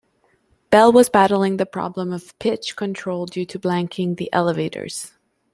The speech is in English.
Bell was battling the problem of pitch control due to "blanking" the elevators.